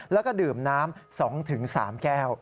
แล้วก็ดื่มน้ำ๒๓แก้ว